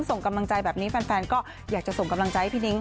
ส่งกำลังใจแบบนี้แฟนก็อยากจะส่งกำลังใจให้พี่นิ้ง